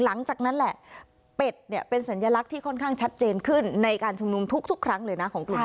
หลังจากนั้นแหละเป็ดเนี่ยเป็นสัญลักษณ์ที่ค่อนข้างชัดเจนขึ้นในการชุมนุมทุกครั้งเลยนะของกลุ่มนี้